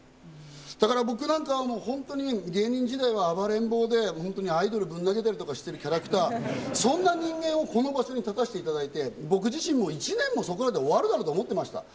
だから、僕なんか芸人時代は暴れん坊でアイドルをブン投げたりしてるキャラクター、そんな人間をこの場所に立たせていただいて、僕自身も１年そこらで終わるだろって思ってた。